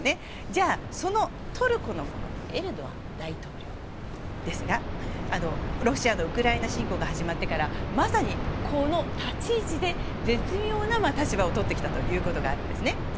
じゃあ、そのトルコのエルドアン大統領ですがロシアのウクライナ侵攻が始まってから、まさに立ち位置で絶妙な立場をとってきたということがあるんですね。